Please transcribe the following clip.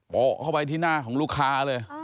โป๊ะเข้าไปที่หน้าของลูกค้าเลย